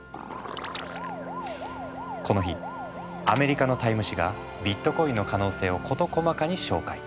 この日アメリカのＴＩＭＥ誌がビットコインの可能性を事細かに紹介。